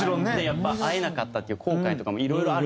やっぱ会えなかったっていう後悔とかもいろいろあるから。